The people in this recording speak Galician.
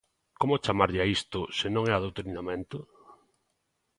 ¿Como chamarlle a isto se non é adoutrinamento?